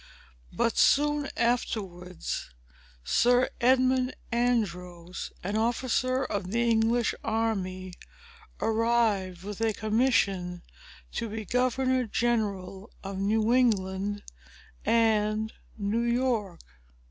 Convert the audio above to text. But soon afterwards, Sir Edmund Andros, an officer of the English army, arrived, with a commission to be governor general of New England and New York.